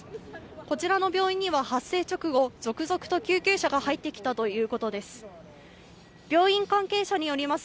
こちらの病院には発生直後、続々と救急車が入ってきたということです。